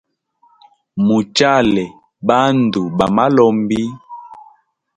Muchale bandu ba malombi.